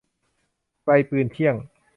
ไกลปืนเที่ยง